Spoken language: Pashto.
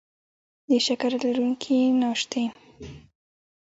د شکرې لرونکي ناشتې